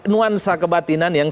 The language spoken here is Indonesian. nuansa kebatinan yang